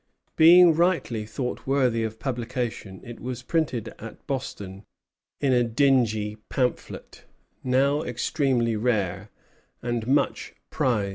Being rightly thought worthy of publication, it was printed at Boston in a dingy pamphlet, now extremely rare, and much prized by antiquarians.